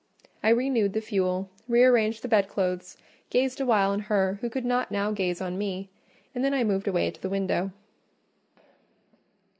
I renewed the fuel, re arranged the bedclothes, gazed awhile on her who could not now gaze on me, and then I moved away to the window.